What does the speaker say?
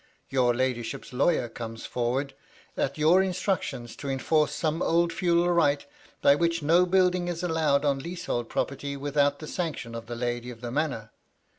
Your ladyship's lawyer comes forward, at your instructions, to enforce some old feudal right, by which no building is allowed on lease hold property without the sanction of the Lady of the Manor.